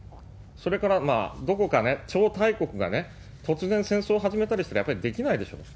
それから、どこか超大国がね、突然戦争始めたりしたらやっぱりできないでしょうと。